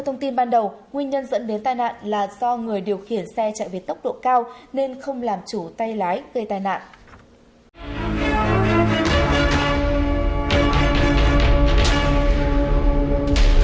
hãy đăng ký kênh để ủng hộ kênh của chúng mình nhé